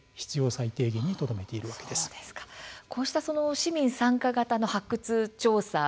最低限にこうした市民参加型の発掘調査